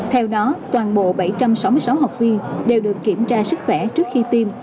theo đó toàn bộ bảy trăm sáu mươi sáu học viên đều được kiểm tra sức khỏe trước khi tiêm